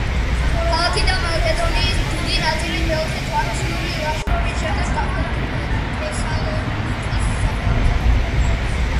ქალაქი და მაკედონიის დიდი ნაწილი მეოთხე ჯვაროსნული ლაშქრობის შემდეგ გახდა თესალონიკის სამეფოს ნაწილი.